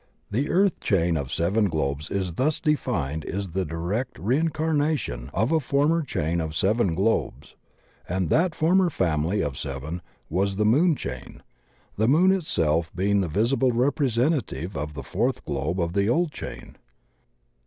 The Earth Chain of seven globes as thus defined is the direct reincarnation of a former chain of seven ^obes, and that former family of seven was the moon chain, the moon itself being the visible representative of the fourth globe of the old chain.